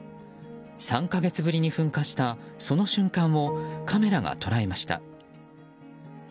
３か月ぶりに噴火したその瞬間をカメラが捉えました。